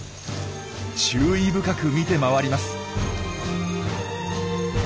注意深く見て回ります。